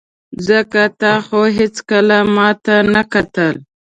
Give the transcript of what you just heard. ځکه تا خو هېڅکله ماته نه کتل.